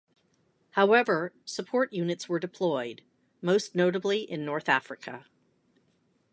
However, support units were deployed, most notably in North Africa.